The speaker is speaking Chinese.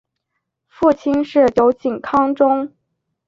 父亲是酒井康忠。